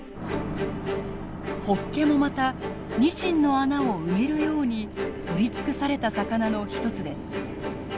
ホッケもまたニシンの穴を埋めるように取り尽くされた魚の一つです。